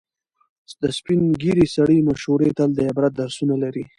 د سپینې ږیرې سړي مشورې تل د عبرت درسونه لري.